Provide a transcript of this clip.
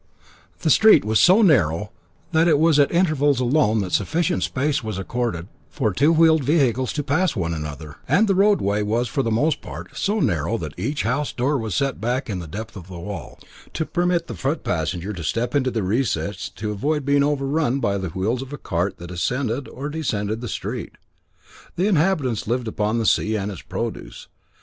The street was so narrow that it was at intervals alone that sufficient space was accorded for two wheeled vehicles to pass one another, and the road way was for the most part so narrow that each house door was set back in the depth of the wall, to permit the foot passenger to step into the recess to avoid being overrun by the wheels of a cart that ascended or descended the street. The inhabitants lived upon the sea and its produce.